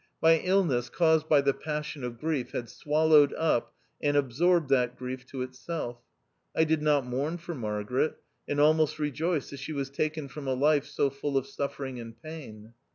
My illness caused by the passion of grief had swallowed up and absorbed that grief to itself. I did not mourn for Margaret, and almost rejoiced that she was taken from a life so full of suffering and pain.